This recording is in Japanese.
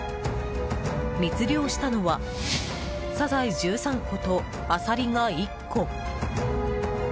密漁したのはサザエ１３個と、アサリが１個。